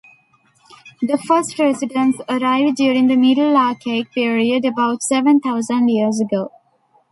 The first residents arrived during the Middle Archaic period about seven thousand years ago.